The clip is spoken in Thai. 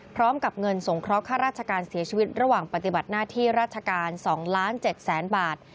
พร้อมกับเงินสงเคราะห้าราชการเสียชีวิตระหว่างปฏิบัติหน้าที่ราชการ๒๗๐๐๐๐บาท